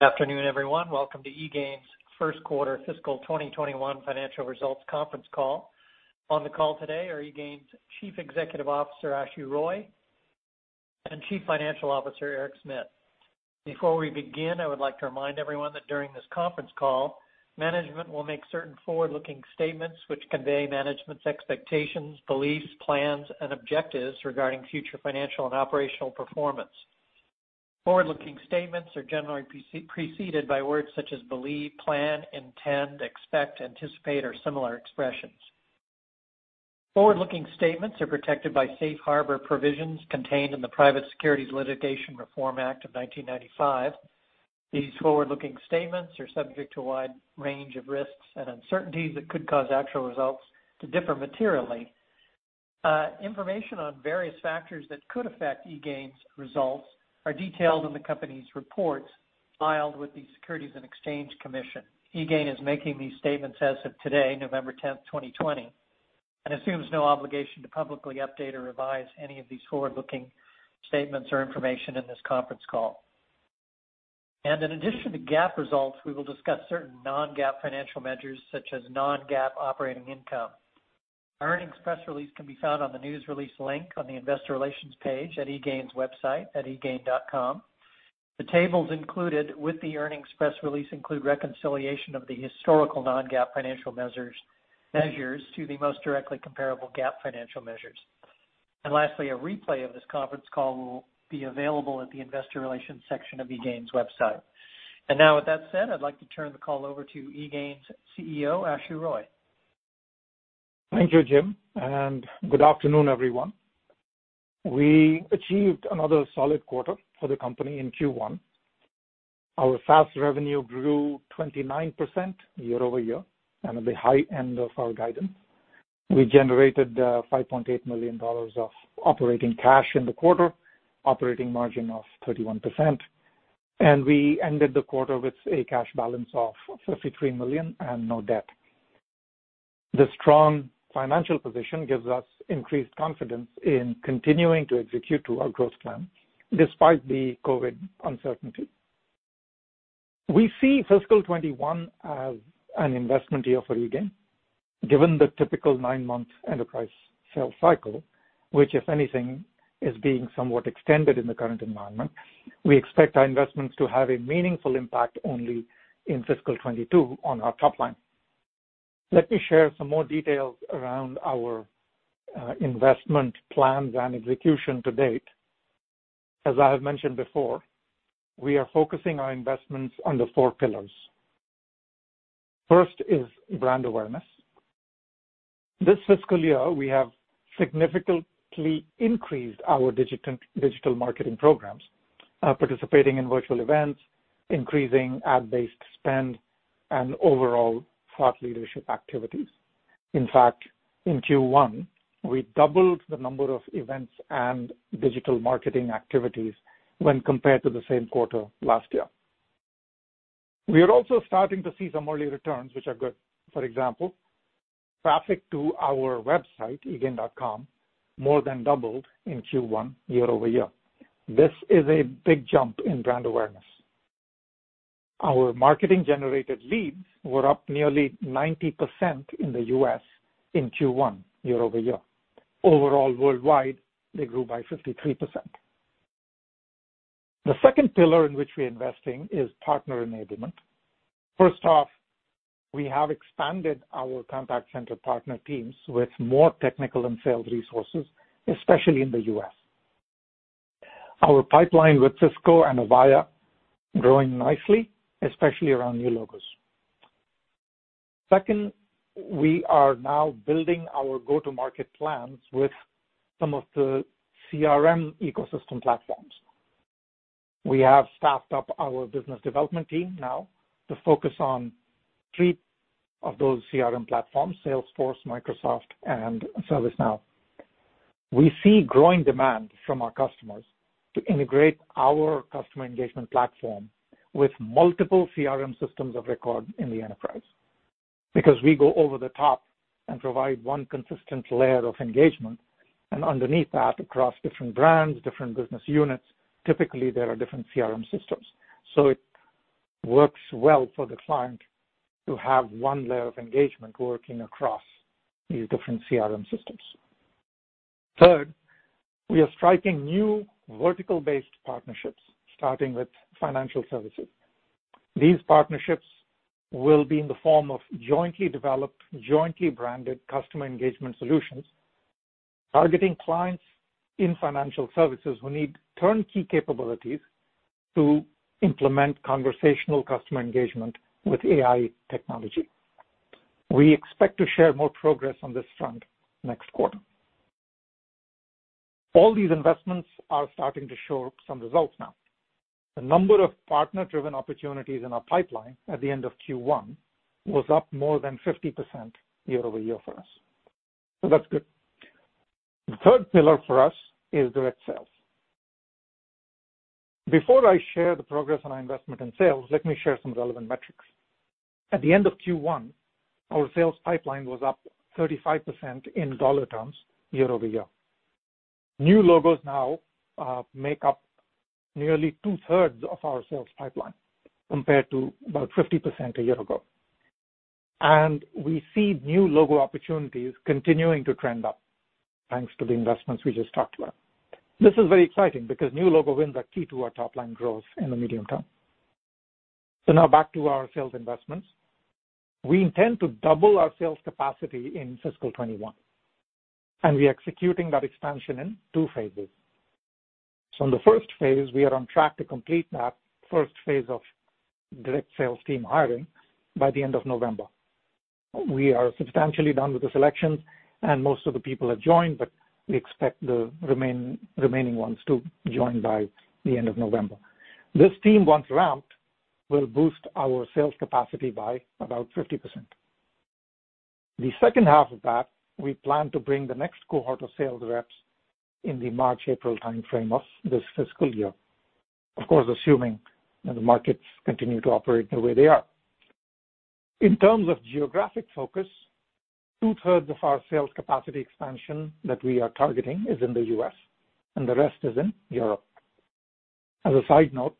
Afternoon, everyone. Welcome to eGain's First Quarter Fiscal 2021 Financial Results Conference Call. On the call today are eGain's Chief Executive Officer, Ashu Roy, and Chief Financial Officer, Eric Smit. Before we begin, I would like to remind everyone that during this conference call, management will make certain forward-looking statements which convey management's expectations, beliefs, plans, and objectives regarding future financial and operational performance. Forward-looking statements are generally preceded by words such as believe, plan, intend, expect, anticipate, or similar expressions. Forward-looking statements are protected by Safe Harbor provisions contained in the Private Securities Litigation Reform Act of 1995. These forward-looking statements are subject to a wide range of risks and uncertainties that could cause actual results to differ materially. Information on various factors that could affect eGain's results are detailed in the company's reports filed with the Securities and Exchange Commission. eGain is making these statements as of today, November 10th, 2020, and assumes no obligation to publicly update or revise any of these forward-looking statements or information in this conference call. In addition to GAAP results, we will discuss certain non-GAAP financial measures, such as non-GAAP operating income. Our earnings press release can be found on the news release link on the investor relations page at eGain's website at egain.com. The tables included with the earnings press release include reconciliation of the historical non-GAAP financial measures to the most directly comparable GAAP financial measures. Lastly, a replay of this conference call will be available at the investor relations section of eGain's website. Now with that said, I'd like to turn the call over to eGain's CEO, Ashu Roy. Thank you, Jim, and good afternoon, everyone. We achieved another solid quarter for the company in Q1. Our SaaS revenue grew 29% year-over-year and at the high end of our guidance. We generated $5.8 million of operating cash in the quarter, operating margin of 31%, and we ended the quarter with a cash balance of $53 million and no debt. The strong financial position gives us increased confidence in continuing to execute to our growth plan despite the COVID uncertainty. We see fiscal 2021 as an investment year for eGain, given the typical nine-month enterprise sales cycle, which, if anything, is being somewhat extended in the current environment. We expect our investments to have a meaningful impact only in fiscal 2022 on our top line. Let me share some more details around our investment plans and execution to date. As I have mentioned before, we are focusing our investments on the four pillars. First is brand awareness. This fiscal year, we have significantly increased our digital marketing programs, participating in virtual events, increasing ad-based spend, and overall thought leadership activities. In fact, in Q1, we doubled the number of events and digital marketing activities when compared to the same quarter last year. We are also starting to see some early returns, which are good. For example, traffic to our website, egain.com, more than doubled in Q1 year-over-year. This is a big jump in brand awareness. Our marketing-generated leads were up nearly 90% in the U.S. in Q1 year-over-year. Overall, worldwide, they grew by 53%. The second pillar in which we're investing is partner enablement. First off, we have expanded our contact center partner teams with more technical and sales resources, especially in the U.S. Our pipeline with Cisco and Avaya growing nicely, especially around new logos. Second, we are now building our go-to-market plans with some of the CRM ecosystem platforms. We have staffed up our business development team now to focus on three of those CRM platforms, Salesforce, Microsoft, and ServiceNow. We see growing demand from our customers to integrate our customer engagement platform with multiple CRM systems of record in the enterprise. Because we go over the top and provide one consistent layer of engagement, and underneath that, across different brands, different business units, typically there are different CRM systems. It works well for the client to have one layer of engagement working across these different CRM systems. Third, we are striking new vertical-based partnerships, starting with financial services. These partnerships will be in the form of jointly developed, jointly branded customer engagement solutions, targeting clients in financial services who need turnkey capabilities to implement conversational customer engagement with AI technology. We expect to share more progress on this front next quarter. All these investments are starting to show some results now. The number of partner-driven opportunities in our pipeline at the end of Q1 was up more than 50% year-over-year for us. That's good. The third pillar for us is direct sales. Before I share the progress on our investment in sales, let me share some relevant metrics. At the end of Q1, our sales pipeline was up 35% in dollar terms year-over-year. New logos now make up nearly 2/3 of our sales pipeline compared to about 50% a year ago. We see new logo opportunities continuing to trend up thanks to the investments we just talked about. This is very exciting because new logo wins are key to our top-line growth in the medium term. Now back to our sales investments. We intend to double our sales capacity in fiscal 2021, and we are executing that expansion in two phases. In the first phase, we are on track to complete that first phase of direct sales team hiring by the end of November. We are substantially done with the selections and most of the people have joined, but we expect the remaining ones to join by the end of November. This team, once ramped, will boost our sales capacity by about 50%. The second half of that, we plan to bring the next cohort of sales reps in the March-April timeframe of this fiscal year. Of course, assuming that the markets continue to operate the way they are. In terms of geographic focus, 2/3 of our sales capacity expansion that we are targeting is in the U.S., and the rest is in Europe. As a side note,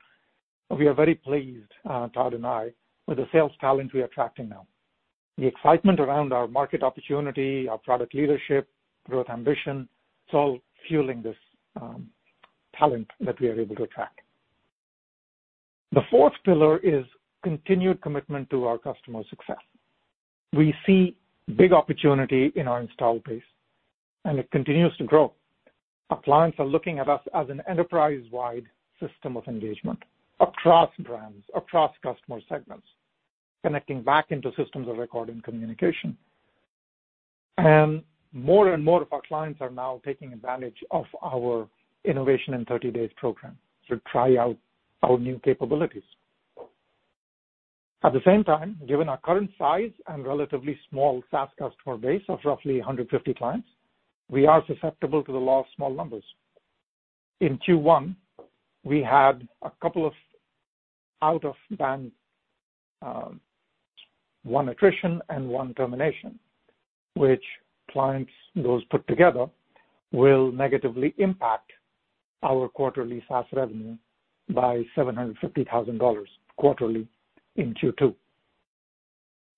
we are very pleased, Todd and I, with the sales talent we are attracting now. The excitement around our market opportunity, our product leadership, growth ambition, it's all fueling this talent that we are able to attract. The fourth pillar is continued commitment to our customer success. We see big opportunity in our installed base, and it continues to grow. Our clients are looking at us as an enterprise-wide system of engagement across brands, across customer segments, connecting back into systems of recording communication. More and more of our clients are now taking advantage of our Innovation in 30 Days program to try out our new capabilities. At the same time, given our current size and relatively small SaaS customer base of roughly 150 clients, we are susceptible to the law of small numbers. In Q1, we had a couple of out of band, one attrition and one termination, which clients, those put together, will negatively impact our quarterly SaaS revenue by $750,000 quarterly in Q2.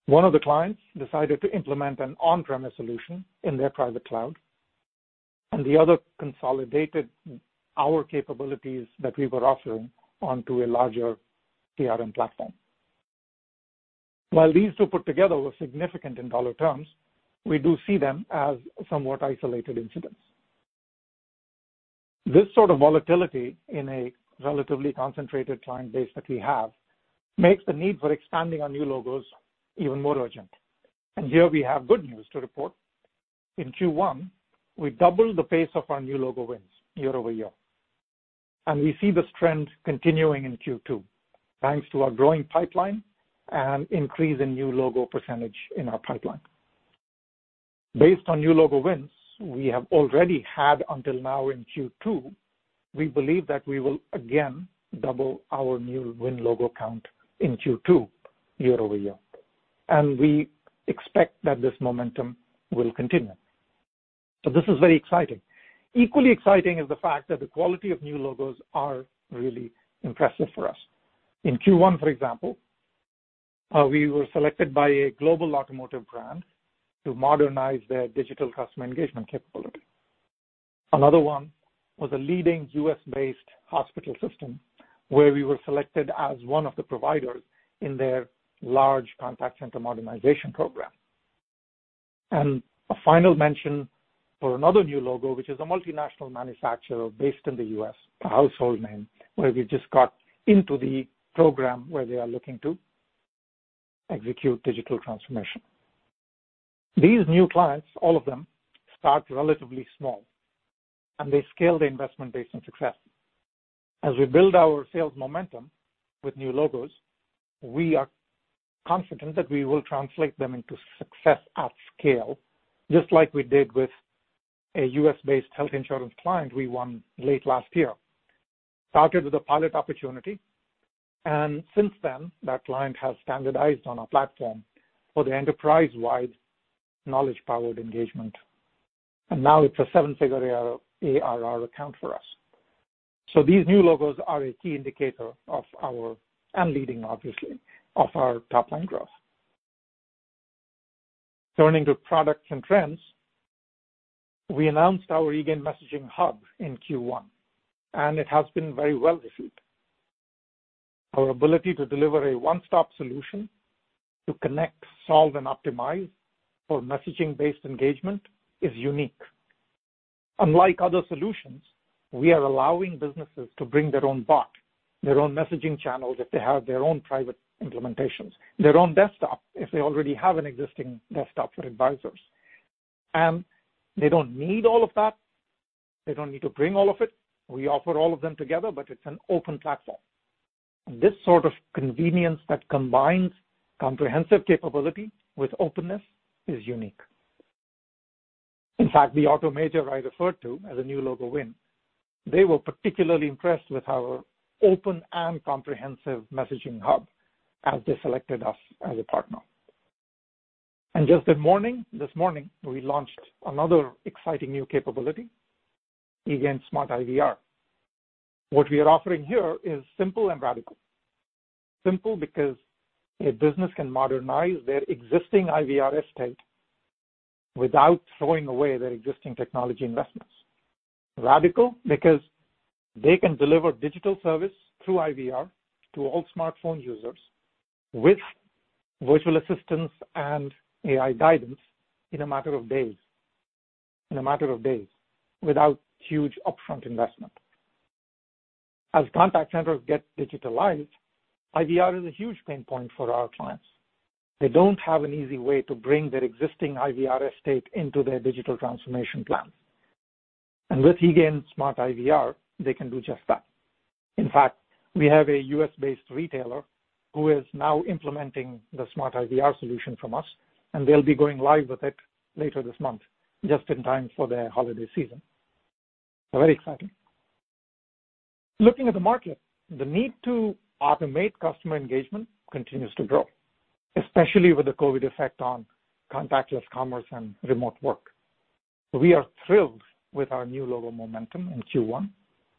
One of the clients decided to implement an on-premise solution in their private cloud, and the other consolidated our capabilities that we were offering onto a larger CRM platform. While these two put together were significant in dollar terms, we do see them as somewhat isolated incidents. This sort of volatility in a relatively concentrated client base that we have makes the need for expanding our new logos even more urgent. Here we have good news to report. In Q1, we doubled the pace of our new logo wins year-over-year. We see this trend continuing in Q2, thanks to our growing pipeline and increase in new logo percentage in our pipeline. Based on new logo wins we have already had until now in Q2, we believe that we will again double our new win logo count in Q2 year-over-year, and we expect that this momentum will continue. This is very exciting. Equally exciting is the fact that the quality of new logos are really impressive for us. In Q1, for example, we were selected by a global automotive brand to modernize their digital customer engagement capability. Another one was a leading U.S.-based hospital system where we were selected as one of the providers in their large contact center modernization program. A final mention for another new logo, which is a multinational manufacturer based in the U.S., a household name, where we just got into the program where they are looking to execute digital transformation. These new clients, all of them, start relatively small, and they scale the investment based on success. As we build our sales momentum with new logos, we are confident that we will translate them into success at scale, just like we did with a U.S.-based health insurance client we won late last year. Started with a pilot opportunity, since then, that client has standardized on our platform for the enterprise-wide knowledge-powered engagement. Now it's a seven-figure ARR account for us. These new logos are a key indicator of our, and leading, obviously, of our top-line growth. Turning to products and trends, we announced our eGain Messaging Hub in Q1, and it has been very well received. Our ability to deliver a one-stop solution to connect, solve, and optimize for messaging-based engagement is unique. Unlike other solutions, we are allowing businesses to bring their own bot, their own messaging channels if they have their own private implementations, their own desktop, if they already have an existing desktop for advisors. They don't need all of that. They don't need to bring all of it. We offer all of them together, but it's an open platform. This sort of convenience that combines comprehensive capability with openness is unique. In fact, the auto major I referred to as a new logo win, they were particularly impressed with our open and comprehensive Messaging Hub as they selected us as a partner. Just this morning, we launched another exciting new capability, eGain SmartIVR. What we are offering here is simple and radical. Simple because a business can modernize their existing IVR estate without throwing away their existing technology investments. Radical because they can deliver digital service through IVR to all smartphone users with virtual assistants and AI guidance in a matter of days. In a matter of days, without huge upfront investment. As contact centers get digitalized, IVR is a huge pain point for our clients. They don't have an easy way to bring their existing IVR estate into their digital transformation plans. With eGain SmartIVR, they can do just that. In fact, we have a U.S.-based retailer who is now implementing the eGain SmartIVR solution from us, and they'll be going live with it later this month, just in time for the holiday season. Very exciting. Looking at the market, the need to automate customer engagement continues to grow, especially with the COVID effect on contactless commerce and remote work. We are thrilled with our new logo momentum in Q1,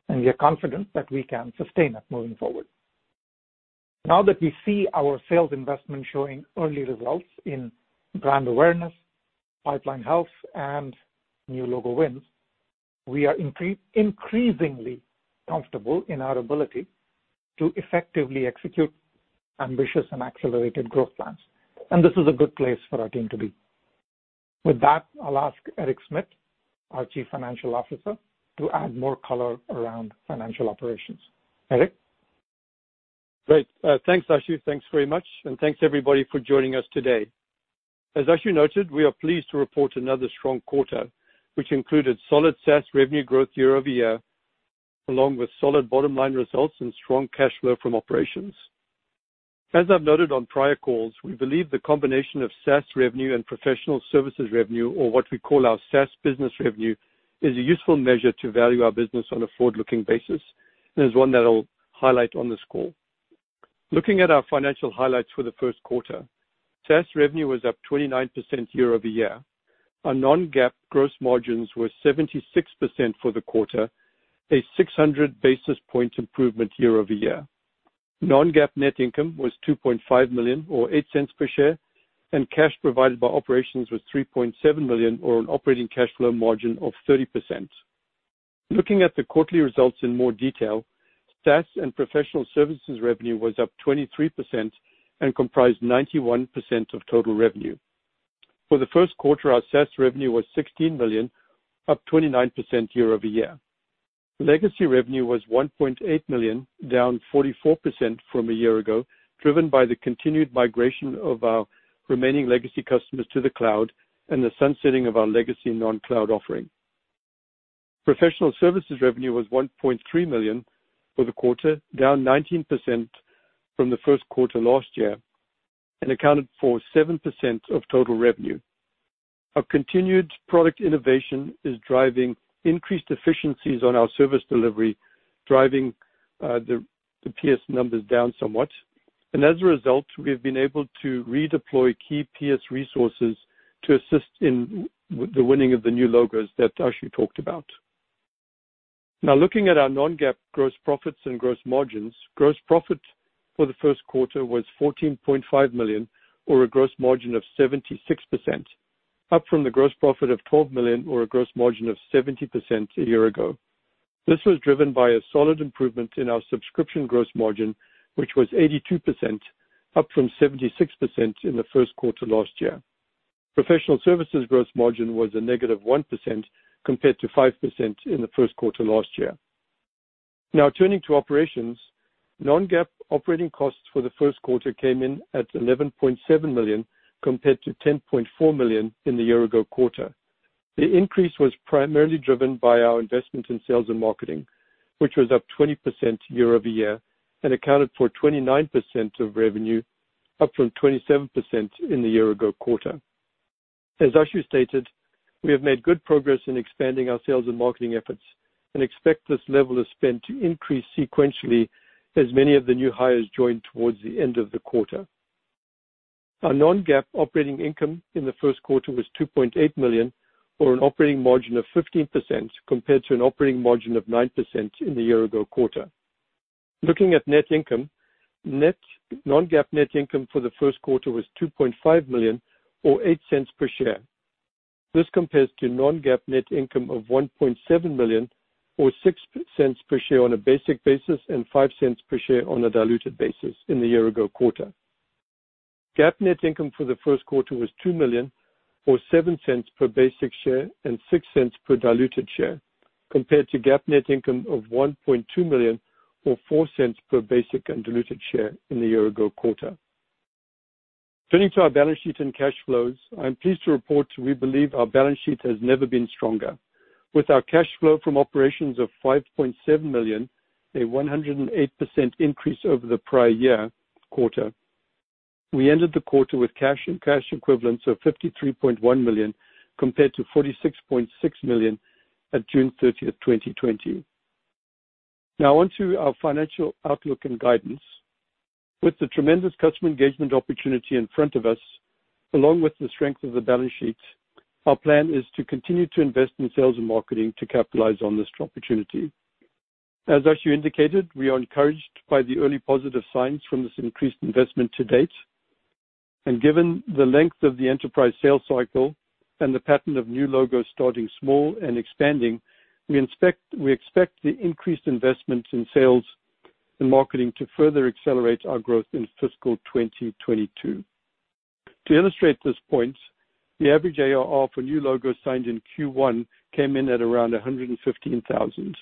and we are confident that we can sustain it moving forward. Now that we see our sales investment showing early results in brand awareness, pipeline health, and new logo wins, we are increasingly comfortable in our ability to effectively execute ambitious and accelerated growth plans. This is a good place for our team to be. With that, I'll ask Eric Smit, our chief financial officer, to add more color around financial operations. Eric? Great. Thanks, Ashu. Thanks very much, and thanks, everybody, for joining us today. As Ashu noted, we are pleased to report another strong quarter, which included solid SaaS revenue growth year-over-year, along with solid bottom-line results and strong cash flow from operations. As I've noted on prior calls, we believe the combination of SaaS revenue and professional services revenue, or what we call our SaaS business revenue, is a useful measure to value our business on a forward-looking basis and is one that I'll highlight on this call. Looking at our financial highlights for the first quarter, SaaS revenue was up 29% year-over-year. Our non-GAAP gross margins were 76% for the quarter, a 600 basis point improvement year-over-year. Non-GAAP net income was $2.5 million, or $0.08 per share, and cash provided by operations was $3.7 million, or an operating cash flow margin of 30%. Looking at the quarterly results in more detail, SaaS and professional services revenue was up 23% and comprised 91% of total revenue. For the first quarter, our SaaS revenue was $16 million, up 29% year-over-year. Legacy revenue was $1.8 million, down 44% from a year ago, driven by the continued migration of our remaining legacy customers to the cloud and the sunsetting of our legacy non-cloud offering. Professional services revenue was $1.3 million for the quarter, down 19% from the first quarter last year and accounted for 7% of total revenue. Our continued product innovation is driving increased efficiencies on our service delivery, driving the PS numbers down somewhat. As a result, we've been able to redeploy key PS resources to assist in the winning of the new logos that Ashu talked about. Now looking at our non-GAAP gross profits and gross margins. Gross profit for the first quarter was $14.5 million or a gross margin of 76%, up from the gross profit of $12 million or a gross margin of 70% a year ago. This was driven by a solid improvement in our subscription gross margin, which was 82%, up from 76% in the first quarter last year. Professional services gross margin was -1% compared to 5% in the first quarter last year. Now turning to operations. Non-GAAP operating costs for the first quarter came in at $11.7 million, compared to $10.4 million in the year-ago quarter. The increase was primarily driven by our investment in sales and marketing, which was up 20% year-over-year and accounted for 29% of revenue, up from 27% in the year-ago quarter. As Ashu stated, we have made good progress in expanding our sales and marketing efforts and expect this level of spend to increase sequentially as many of the new hires joined towards the end of the quarter. Our non-GAAP operating income in the first quarter was $2.8 million or an operating margin of 15%, compared to an operating margin of 9% in the year-ago quarter. Looking at net income. Non-GAAP net income for the first quarter was $2.5 million or $0.08 per share. This compares to non-GAAP net income of $1.7 million or $0.06 per share on a basic basis and $0.05 per share on a diluted basis in the year-ago quarter. GAAP net income for the first quarter was $2 million or $0.07 per basic share and $0.06 per diluted share compared to GAAP net income of $1.2 million or $0.04 per basic and diluted share in the year-ago quarter. Turning to our balance sheet and cash flows. I'm pleased to report we believe our balance sheet has never been stronger. With our cash flow from operations of $5.7 million, a 108% increase over the prior year quarter, we ended the quarter with cash and cash equivalents of $53.1 million, compared to $46.6 million on June 30th, 2020. Now on to our financial outlook and guidance. With the tremendous customer engagement opportunity in front of us, along with the strength of the balance sheet, our plan is to continue to invest in sales and marketing to capitalize on this opportunity. As Ashu indicated, we are encouraged by the early positive signs from this increased investment to date. Given the length of the enterprise sales cycle and the pattern of new logos starting small and expanding, we expect the increased investments in sales and marketing to further accelerate our growth in fiscal 2022. To illustrate this point, the average ARR for new logos signed in Q1 came in at around $115,000.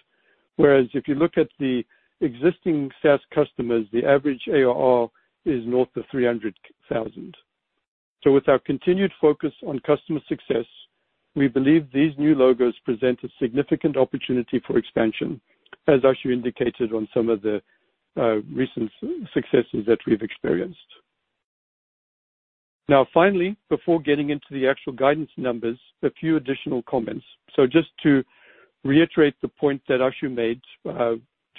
Whereas if you look at the existing SaaS customers, the average ARR is north of $300,000. With our continued focus on customer success, we believe these new logos present a significant opportunity for expansion, as Ashu indicated on some of the recent successes that we've experienced. Now finally, before getting into the actual guidance numbers, a few additional comments. Just to reiterate the point that Ashu made,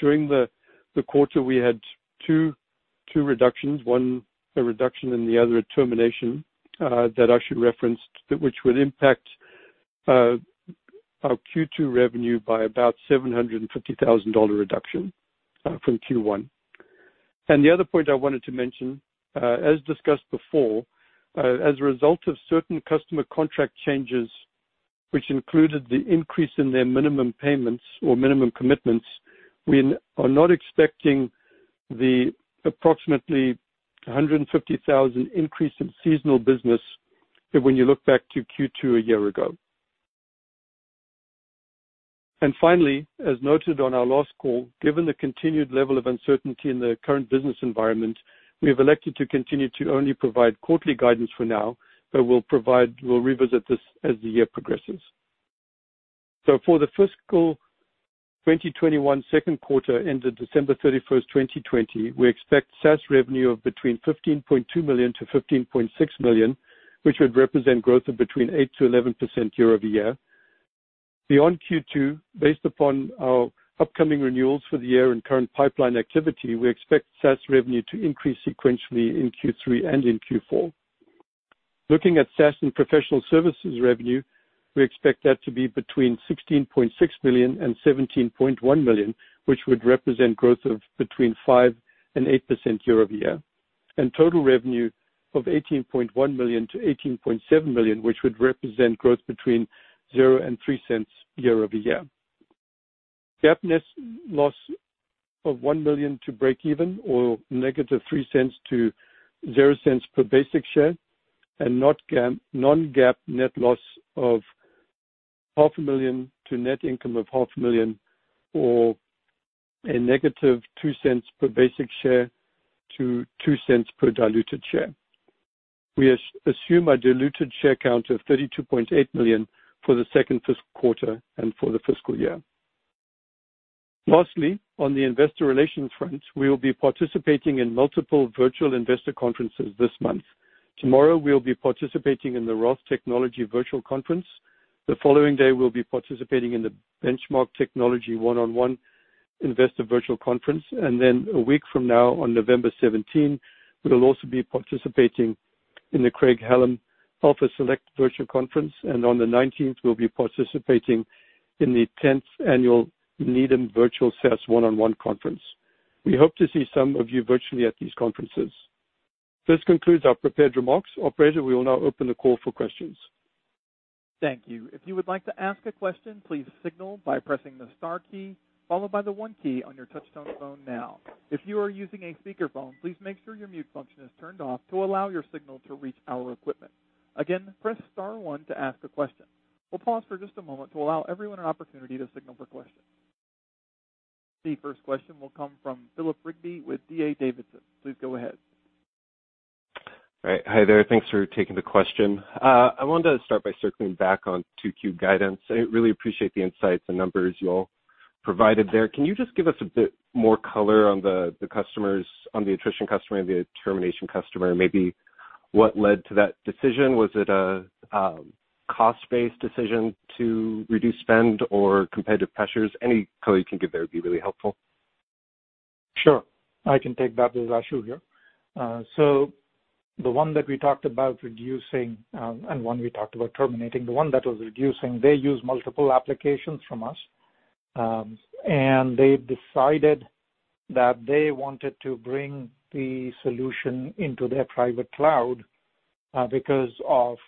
during the quarter, we had two reductions, one a reduction and the other a termination, that Ashu referenced, which will impact our Q2 revenue by about $750,000 reduction from Q1. The other point I wanted to mention, as discussed before, as a result of certain customer contract changes, which included the increase in their minimum payments or minimum commitments, we are not expecting the approximately $150,000 increase in seasonal business when you look back to Q2 a year ago. Finally, as noted on our last call, given the continued level of uncertainty in the current business environment, we have elected to continue to only provide quarterly guidance for now, but we'll revisit this as the year progresses. For the fiscal 2021 second quarter ended December 31st, 2020, we expect SaaS revenue of between $15.2 million-$15.6 million, which would represent growth of between 8%-11% year-over-year. Beyond Q2, based upon our upcoming renewals for the year and current pipeline activity, we expect SaaS revenue to increase sequentially in Q3 and in Q4. Looking at SaaS and professional services revenue, we expect that to be between $16.6 million and $17.1 million, which would represent growth of between 5% and 8% year-over-year. Total revenue of $18.1 million-$18.7 million, which would represent growth between $0 and $0.03 year-over-year. GAAP net loss of $1 million to break even or -$0.03 to $0 per basic share, non-GAAP net loss of $500,000 to net income of $500,000, or a -$0.02 per basic share to $0.02 per diluted share. We assume a diluted share count of 32.8 million for the second fiscal quarter and for the fiscal year. Lastly, on the investor relations front, we will be participating in multiple virtual investor conferences this month. Tomorrow, we'll be participating in the Roth Technology Virtual Event. The following day, we'll be participating in the Benchmark Technology One-on-One Investor Virtual Conference. A week from now, on November 17, we'll also be participating in the Craig-Hallum Alpha Select Virtual Conference. On the 19th, we'll be participating in the 10th Annual Needham Virtual SaaS One-on-One Conference. We hope to see some of you virtually at these conferences. This concludes our prepared remarks. Operator, we will now open the call for questions. Thank you. If you would like to ask a question, please signal by pressing the star key, followed by the one key on your touchtone phone now. If you are using a speakerphone, please make sure your mute function is turned off to allow your signal to reach our equipment. Again, press star one to ask a question. We'll pause for just a moment to allow everyone an opportunity to signal for questions. The first question will come from Philip Rigby with D.A. Davidson. Please go ahead. Right. Hi there. Thanks for taking the question. I wanted to start by circling back on 2Q guidance. I really appreciate the insights and numbers you all provided there. Can you just give us a bit more color on the customers, on the attrition customer and the termination customer? Maybe what led to that decision? Was it a cost-based decision to reduce spend or competitive pressures? Any color you can give there would be really helpful. Sure. I can take that. This is Ashu here. The one that we talked about reducing, and one we talked about terminating, the one that was reducing, they use multiple applications from us. They decided that they wanted to bring the solution into their private cloud because of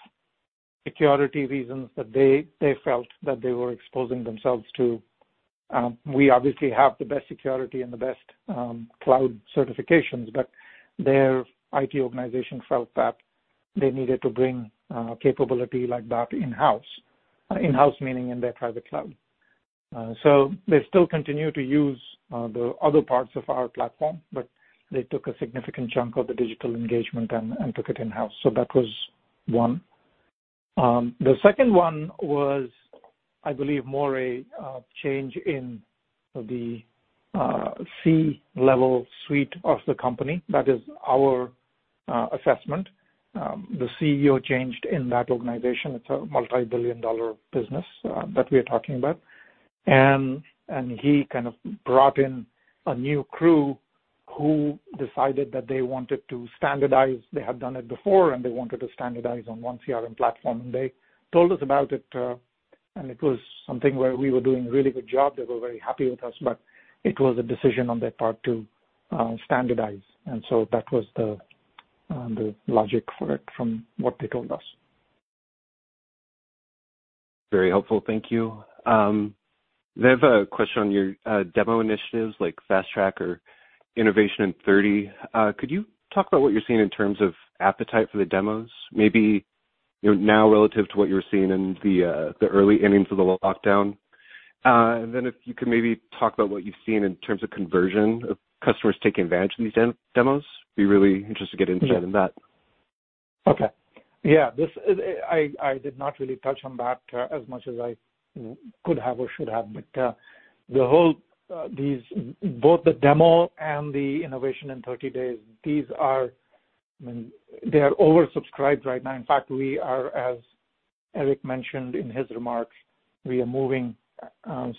security reasons that they felt that they were exposing themselves to. We obviously have the best security and the best cloud certifications, their IT organization felt that they needed to bring capability like that in-house, in-house meaning in their private cloud. They still continue to use the other parts of our platform, but they took a significant chunk of the digital engagement and took it in-house. That was one. The second one was, I believe more a change in the C-level suite of the company. That is our Assessment. The CEO changed in that organization. It's a multibillion-dollar business that we are talking about. He kind of brought in a new crew who decided that they wanted to standardize. They had done it before, and they wanted to standardize on one CRM platform. They told us about it, and it was something where we were doing a really good job. They were very happy with us, but it was a decision on their part to standardize, and so that was the logic for it from what they told us. Very helpful. Thank you. We have a question on your demo initiatives, like Fast Track or Innovation in 30. Could you talk about what you're seeing in terms of appetite for the demos? Maybe now relative to what you were seeing in the early innings of the lockdown. If you could maybe talk about what you've seen in terms of conversion of customers taking advantage of these demos. Be really interested to get insight on that. I did not really touch on that as much as I could have or should have. Both the demo and the Innovation in 30 Days, they are oversubscribed right now. We are, as Eric mentioned in his remarks, we are moving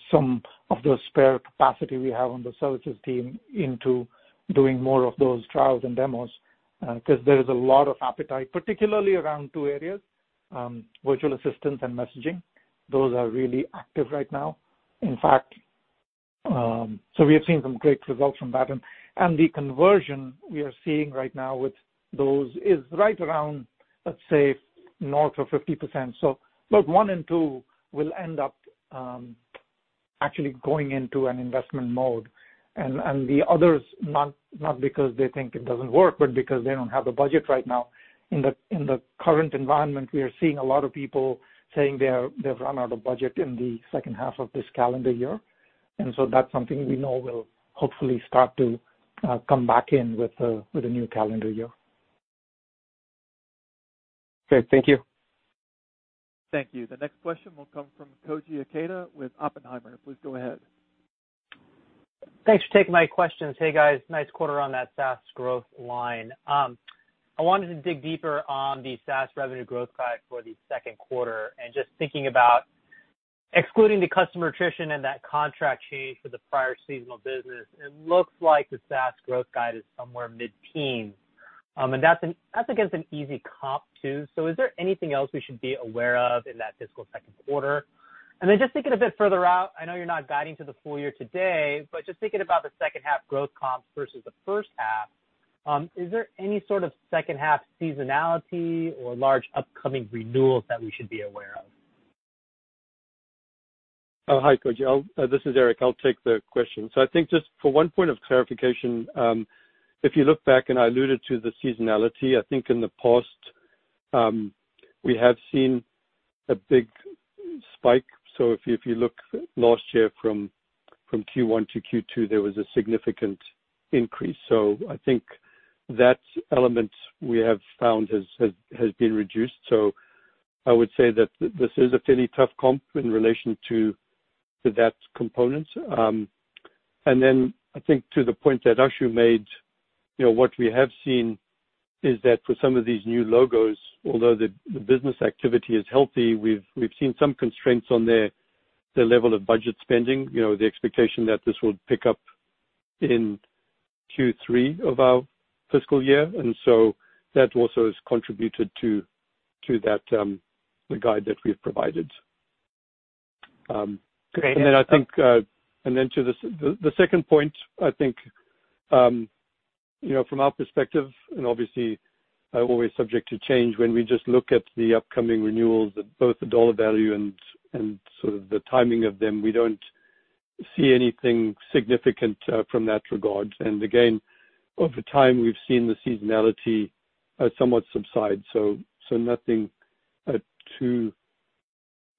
some of the spare capacity we have on the services team into doing more of those trials and demos, because there is a lot of appetite, particularly around two areas: virtual assistance and messaging. Those are really active right now, in fact. We have seen some great results from that. The conversion we are seeing right now with those is right around, let's say, north of 50%. About one in two will end up actually going into an investment mode. The others, not because they think it doesn't work, but because they don't have the budget right now. In the current environment, we are seeing a lot of people saying they've run out of budget in the second half of this calendar year. That's something we know will hopefully start to come back in with the new calendar year. Great. Thank you. Thank you. The next question will come from Koji Ikeda with Oppenheimer. Please go ahead. Thanks for taking my questions. Hey, guys, nice quarter on that SaaS growth line. I wanted to dig deeper on the SaaS revenue growth guide for the second quarter and just thinking about excluding the customer attrition and that contract change for the prior seasonal business, it looks like the SaaS growth guide is somewhere mid-teen. That's against an easy comp, too. Is there anything else we should be aware of in that fiscal second quarter? Just thinking a bit further out, I know you're not guiding to the full year today, but just thinking about the second half growth comps versus the first half, is there any sort of second half seasonality or large upcoming renewals that we should be aware of? Oh, hi, Koji. This is Eric. I'll take the question. I think just for one point of clarification, if you look back, and I alluded to the seasonality, I think in the past, we have seen a big spike. If you look last year from Q1 to Q2, there was a significant increase. I think that element we have found has been reduced. I would say that this is a fairly tough comp in relation to that component. I think to the point that Ashu made, what we have seen is that for some of these new logos, although the business activity is healthy, we've seen some constraints on their level of budget spending, the expectation that this will pick up in Q3 of our fiscal year. That also has contributed to the guide that we've provided. Great. To the second point, I think from our perspective, and obviously always subject to change, when we just look at the upcoming renewals, at both the dollar value and sort of the timing of them, we don't see anything significant from that regard. Again, over time, we've seen the seasonality somewhat subside. Nothing too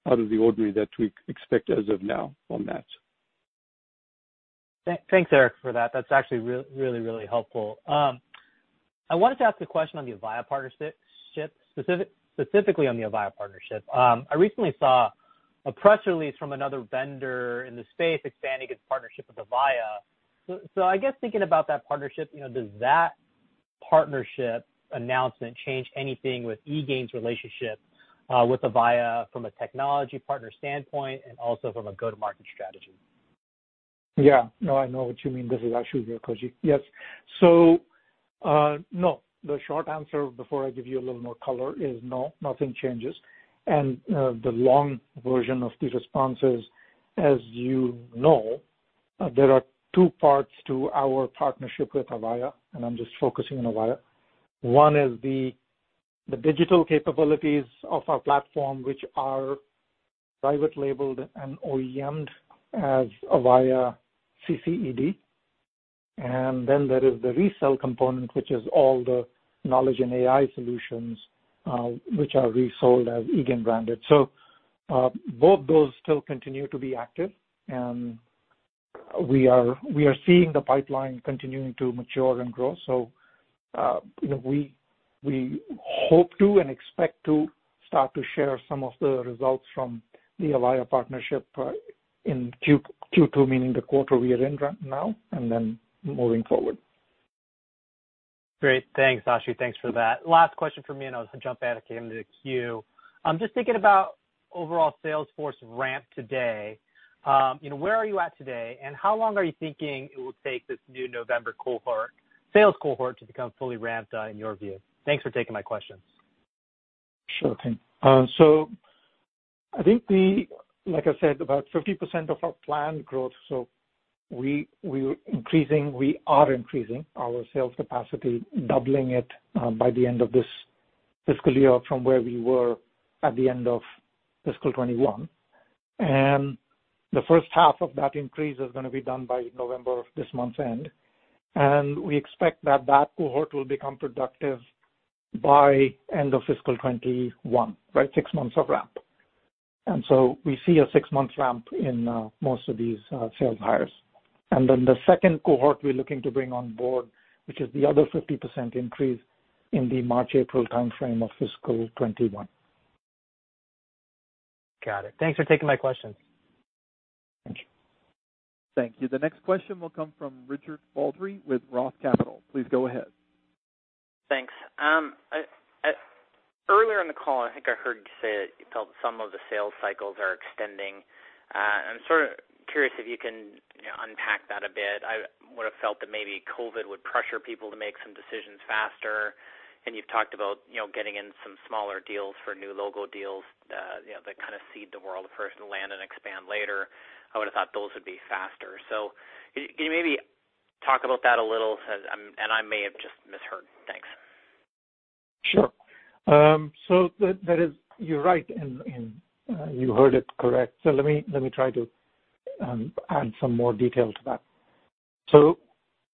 out of the ordinary that we expect as of now on that. Thanks, Eric, for that. That's actually really, really helpful. I wanted to ask a question on the Avaya partnership, specifically on the Avaya partnership. I recently saw a press release from another vendor in the space expanding its partnership with Avaya. I guess thinking about that partnership, does that partnership announcement change anything with eGain's relationship with Avaya from a technology partner standpoint and also from a go-to-market strategy? Yeah. No, I know what you mean. This is Ashu here, Koji. Yes. No, the short answer, before I give you a little more color, is no, nothing changes. The long version of the response is, as you know, there are two parts to our partnership with Avaya, and I'm just focusing on Avaya. One is the digital capabilities of our platform, which are private labeled and OEM-ed as Avaya CCED. There is the resell component, which is all the knowledge and AI solutions, which are resold as eGain branded. Both those still continue to be active, and we are seeing the pipeline continuing to mature and grow. We hope to and expect to start to share some of the results from the Avaya partnership in Q2, meaning the quarter we are in right now, and then moving forward. Great. Thanks, Ashu. Thanks for that. Last question from me, and I'll jump out of the queue. Just thinking about overall sales force ramp today, where are you at today, and how long are you thinking it will take this new November sales cohort to become fully ramped up in your view? Thanks for taking my questions. Sure thing. I think, like I said, about 50% of our planned growth. We are increasing our sales capacity, doubling it by the end of this fiscal year from where we were at the end of fiscal 2021. The first half of that increase is going to be done by November of this month's end. We expect that cohort will become productive by end of fiscal 2021. Six months of ramp. We see a six months ramp in most of these sales hires. The second cohort we're looking to bring on board, which is the other 50% increase, in the March, April timeframe of fiscal 2021. Got it. Thanks for taking my questions. Thank you. Thank you. The next question will come from Richard Baldry with ROTH Capital. Please go ahead. Thanks. Earlier in the call, I think I heard you say that you felt some of the sales cycles are extending. I'm sort of curious if you can unpack that a bit. I would've felt that maybe COVID would pressure people to make some decisions faster. You've talked about getting in some smaller deals for new logo deals, that kind of seed the world first and land and expand later. I would've thought those would be faster. Can you maybe talk about that a little? I may have just misheard. Thanks. Sure. You're right, and you heard it correct. Let me try to add some more detail to that.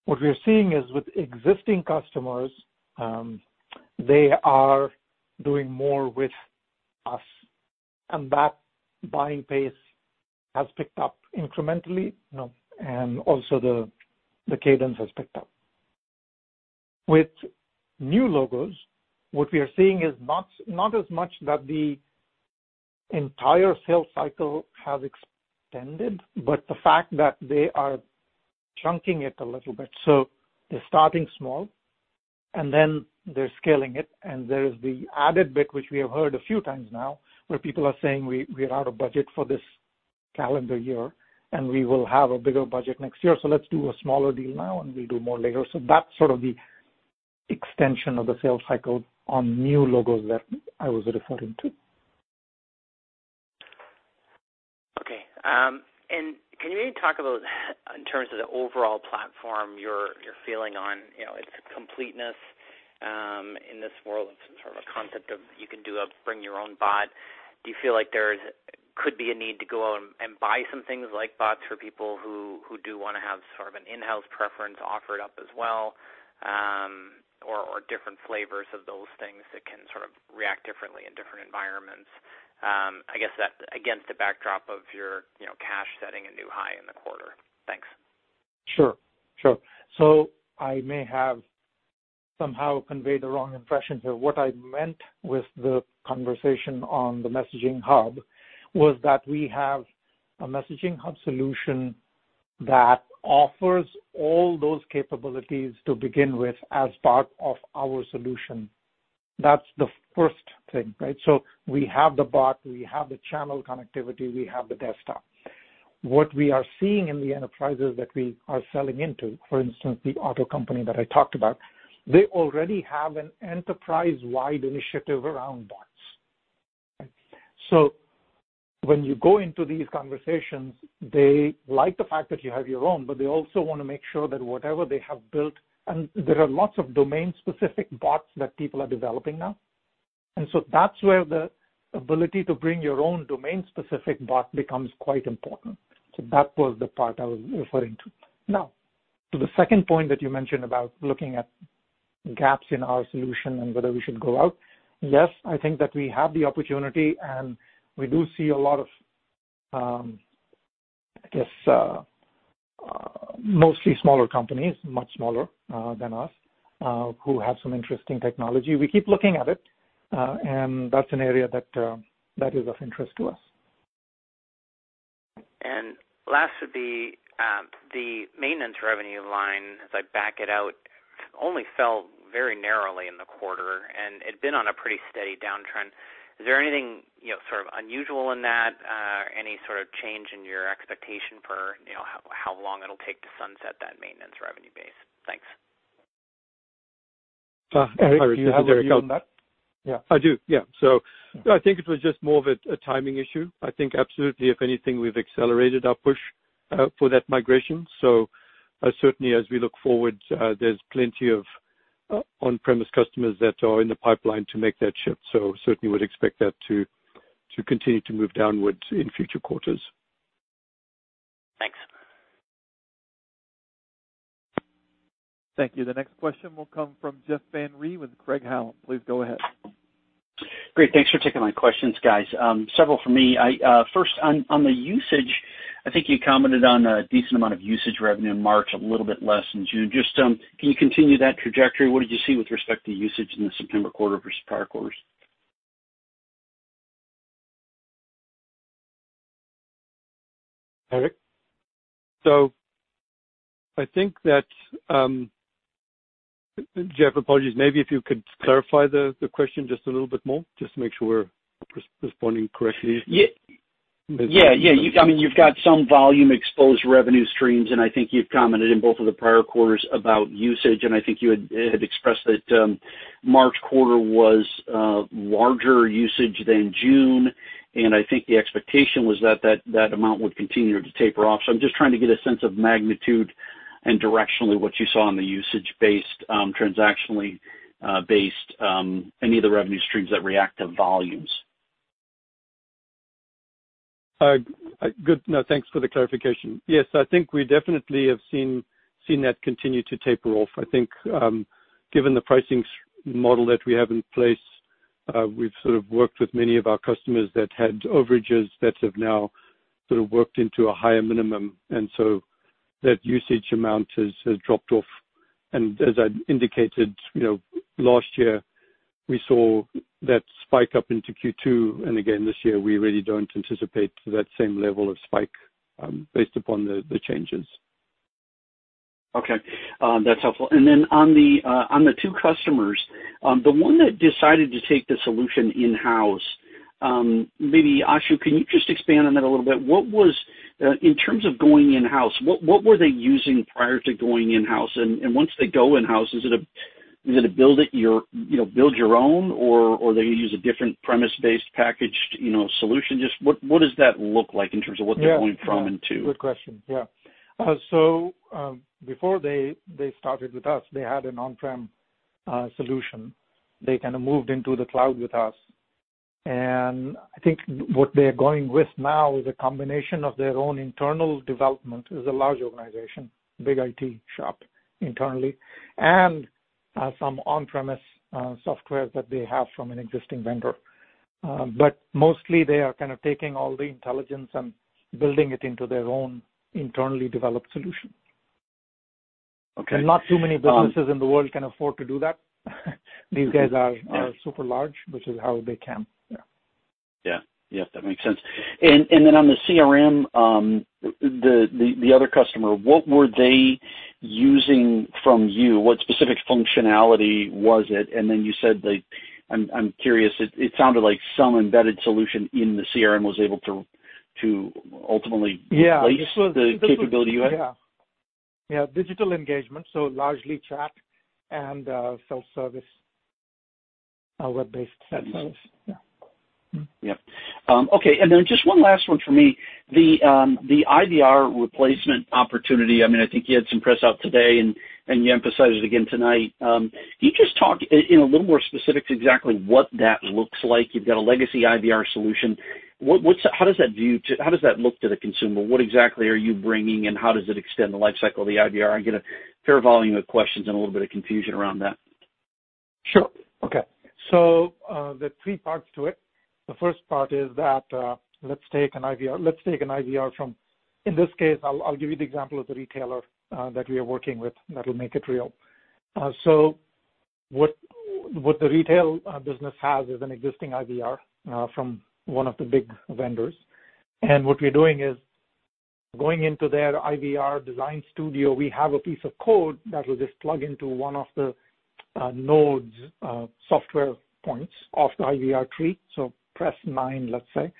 What we are seeing is with existing customers, they are doing more with us, and that buying pace has picked up incrementally, and also the cadence has picked up. With new logos, what we are seeing is not as much that the entire sales cycle has extended, but the fact that they are chunking it a little bit. They're starting small, and then they're scaling it, and there is the added bit, which we have heard a few times now, where people are saying, "We're out of budget for this calendar year, and we will have a bigger budget next year. So let's do a smaller deal now, and we'll do more later." That's sort of the extension of the sales cycle on new logos that I was referring to. Okay. Can you maybe talk about in terms of the overall platform, your feeling on its completeness in this world of sort of a concept of you can do a bring your own bot. Do you feel like there could be a need to go out and buy some things like bots for people who do want to have sort of an in-house preference offered up as well, or different flavors of those things that can sort of react differently in different environments? I guess that against the backdrop of your cash setting a new high in the quarter. Thanks. Sure. I may have somehow conveyed the wrong impression. What I meant with the conversation on the eGain Messaging Hub was that we have an eGain Messaging Hub solution that offers all those capabilities to begin with as part of our solution. That's the first thing, right? We have the bot, we have the channel connectivity, we have the desktop. What we are seeing in the enterprises that we are selling into, for instance, the auto company that I talked about, they already have an enterprise-wide initiative around bots. When you go into these conversations, they like the fact that you have your own, but they also want to make sure that whatever they have built, and there are lots of domain-specific bots that people are developing now. That's where the ability to bring your own domain-specific bot becomes quite important. That was the part I was referring to. Now, to the second point that you mentioned about looking at gaps in our solution and whether we should go out. Yes, I think that we have the opportunity, and we do see a lot of, I guess, mostly smaller companies, much smaller than us, who have some interesting technology. We keep looking at it, and that's an area that is of interest to us. Last would be the maintenance revenue line, as I back it out, only fell very narrowly in the quarter, and it'd been on a pretty steady downtrend. Is there anything unusual in that? Any sort of change in your expectation for how long it'll take to sunset that maintenance revenue base? Thanks. Eric, do you have a view on that? I do, yeah. I think it was just more of a timing issue. I think absolutely, if anything, we've accelerated our push for that migration. Certainly as we look forward, there's plenty of on-premise customers that are in the pipeline to make that shift. Certainly would expect that to continue to move downwards in future quarters. Thanks. Thank you. The next question will come from Jeff Van Rhee with Craig-Hallum. Please go ahead. Great. Thanks for taking my questions, guys. Several from me. First on the usage, I think you commented on a decent amount of usage revenue in March, a little bit less in June. Can you continue that trajectory? What did you see with respect to usage in the September quarter versus prior quarters? Eric? I think that, Jeff, apologies, maybe if you could clarify the question just a little bit more, just to make sure we're responding correctly. Yeah. You've got some volume exposed revenue streams. I think you've commented in both of the prior quarters about usage. I think you had expressed that March quarter was larger usage than June. I think the expectation was that amount would continue to taper off. I'm just trying to get a sense of magnitude and directionally what you saw in the usage-based, transactionally-based, any of the revenue streams that react to volumes. Good. No, thanks for the clarification. Yes. I think we definitely have seen that continue to taper off. I think, given the pricing model that we have in place, we've sort of worked with many of our customers that had overages that have now sort of worked into a higher minimum, and so that usage amount has dropped off. As I'd indicated, last year, we saw that spike up into Q2, and again this year, we really don't anticipate that same level of spike, based upon the changes. Okay. That's helpful. On the two customers, the one that decided to take the solution in-house, maybe Ashu, can you just expand on that a little bit? In terms of going in-house, what were they using prior to going in-house? Once they go in-house, is it a build your own, or they use a different premise-based packaged solution? Just what does that look like in terms of what they're going from and to? Good question. Before they started with us, they had an on-prem solution. They kind of moved into the cloud with us. I think what they're going with now is a combination of their own internal development, is a large organization, big IT shop internally, and some on-premise software that they have from an existing vendor. Mostly they are kind of taking all the intelligence and building it into their own internally developed solution. Okay. Not too many businesses in the world can afford to do that. These guys are super large, which is how they can. Yeah. Yeah. That makes sense. On the CRM, the other customer, what were they using from you? What specific functionality was it? You said they I'm curious. It sounded like some embedded solution in the CRM was able to ultimately replace the capability you had. Yeah. Digital engagement, so largely chat and self-service, web-based self-service. Yeah. Yep. Okay. Just one last one for me, the IVR replacement opportunity. I think you had some press out today, and you emphasized it again tonight. Can you just talk in a little more specifics exactly what that looks like? You've got a legacy IVR solution. How does that look to the consumer? What exactly are you bringing, and how does it extend the life cycle of the IVR? I get a fair volume of questions and a little bit of confusion around that. Sure. Okay. There are three parts to it. The first part is that, let's take an IVR from, in this case, I'll give you the example of the retailer that we are working with, that'll make it real. What the retail business has is an existing IVR from one of the big vendors. What we're doing is going into their IVR design studio. We have a piece of code that will just plug into one of the nodes, software points of the IVR tree. Press nine, let's say.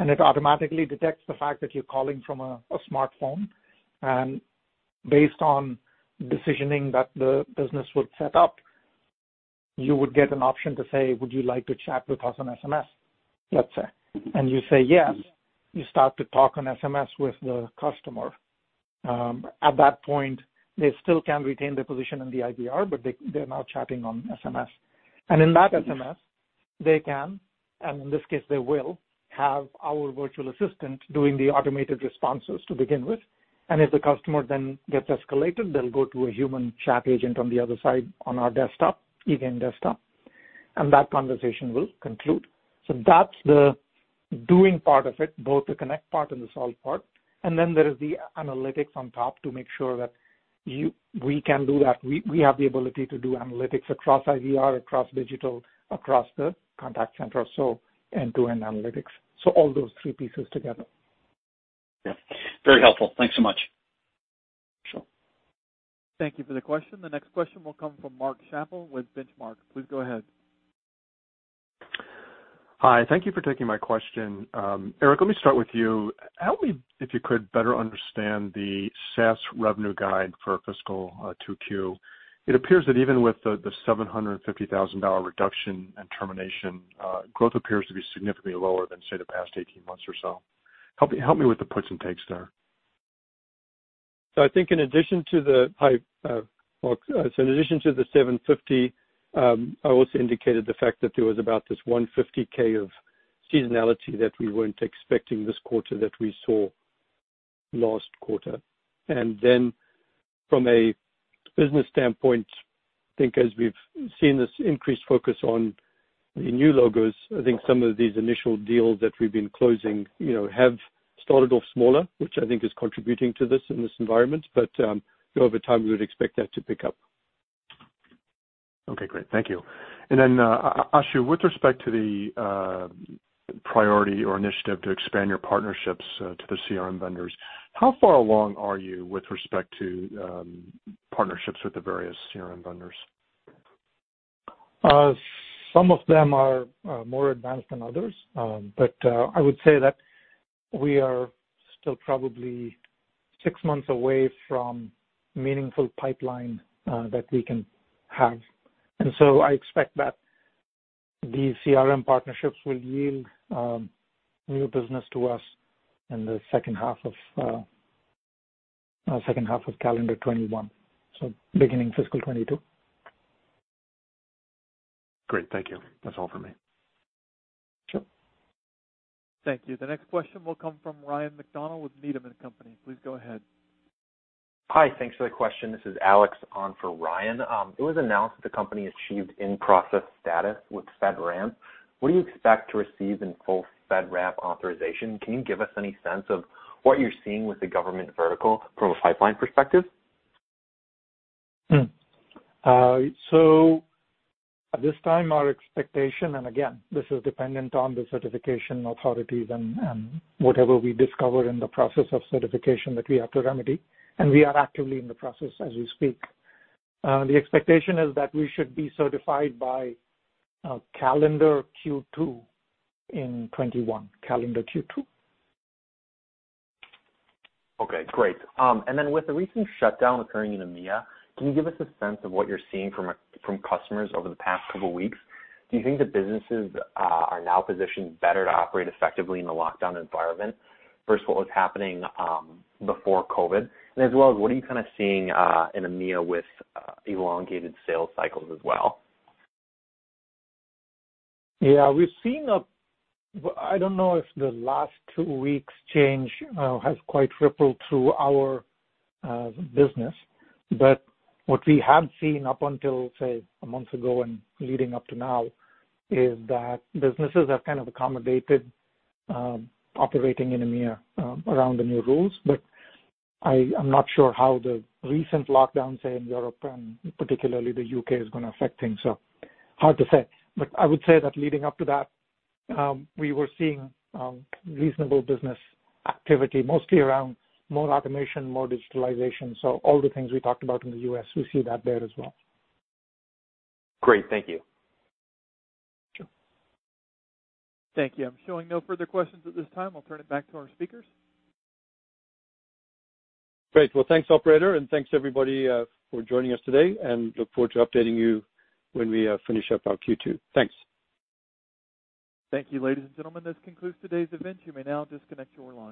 It automatically detects the fact that you're calling from a smartphone, based on decisioning that the business would set up, you would get an option to say, "Would you like to chat with us on SMS?" Let's say. You say, "Yes." You start to talk on SMS with the customer. At that point, they still can retain their position in the IVR, but they're now chatting on SMS. In that SMS, they can, and in this case, they will, have our virtual assistant doing the automated responses to begin with. If the customer then gets escalated, they'll go to a human chat agent on the other side on our desktop, eGain desktop, and that conversation will conclude. That's the doing part of it, both the connect part and the solve part. Then there is the analytics on top to make sure that we can do that. We have the ability to do analytics across IVR, across digital, across the contact center, so end-to-end analytics. All those three pieces together. Yeah. Very helpful. Thanks so much. Sure. Thank you for the question. The next question will come from Mark Schappel with Benchmark. Please go ahead. Hi. Thank you for taking my question. Eric, let me start with you. Help me, if you could, better understand the SaaS revenue guide for fiscal 2Q. It appears that even with the $750,000 reduction and termination, growth appears to be significantly lower than, say, the past 18 months or so. Help me with the puts and takes there. I think in addition to the $750, I also indicated the fact that there was about this $150K of seasonality that we weren't expecting this quarter that we saw last quarter. From a business standpoint, I think as we've seen this increased focus on the new logos, I think some of these initial deals that we've been closing have started off smaller, which I think is contributing to this in this environment. But over time, we would expect that to pick up. Okay, great. Thank you. Ashu, with respect to the priority or initiative to expand your partnerships to the CRM vendors, how far along are you with respect to partnerships with the various CRM vendors? Some of them are more advanced than others. I would say that we are still probably six months away from meaningful pipeline that we can have. I expect that these CRM partnerships will yield new business to us in the second half of calendar 2021, so beginning fiscal 2022. Great. Thank you. That's all for me. Sure. Thank you. The next question will come from Ryan MacDonald with Needham & Company. Please go ahead. Hi. Thanks for the question. This is Alex on for Ryan. It was announced that the company achieved in-process status with FedRAMP. What do you expect to receive in full FedRAMP authorization? Can you give us any sense of what you're seeing with the government vertical from a pipeline perspective? At this time, our expectation, and again, this is dependent on the certification authorities and whatever we discover in the process of certification that we have to remedy, and we are actively in the process as we speak. The expectation is that we should be certified by calendar Q2 in 2021. Calendar Q2. Okay, great. With the recent shutdown occurring in EMEA, can you give us a sense of what you're seeing from customers over the past couple weeks? Do you think that businesses are now positioned better to operate effectively in a lockdown environment versus what was happening before COVID? What are you kind of seeing in EMEA with elongated sales cycles as well? Yeah. I don't know if the last two weeks' change has quite rippled through our business. What we have seen up until, say, a month ago and leading up to now, is that businesses have kind of accommodated operating in EMEA around the new rules. I'm not sure how the recent lockdown, say, in Europe and particularly the U.K., is going to affect things, so hard to say. I would say that leading up to that, we were seeing reasonable business activity, mostly around more automation, more digitalization. All the things we talked about in the U.S., we see that there as well. Great. Thank you. Sure. Thank you. I'm showing no further questions at this time. I'll turn it back to our speakers. Great. Well, thanks, operator, and thanks everybody for joining us today, and look forward to updating you when we finish up our Q2. Thanks. Thank you, ladies and gentlemen. This concludes today's event. You may now disconnect your lines.